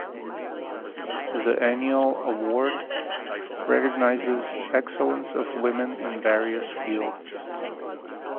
The annual award recognizes excellence of women in various fields.